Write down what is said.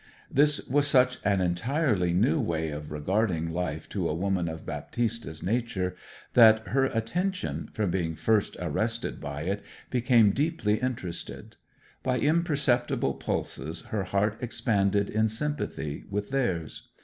This was such an entirely new way of regarding life to a woman of Baptista's nature, that her attention, from being first arrested by it, became deeply interested. By imperceptible pulses her heart expanded in sympathy with theirs.